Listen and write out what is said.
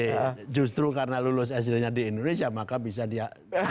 tapi itu benar benar benar karena lulus sd nya di indonesia maka bisa dia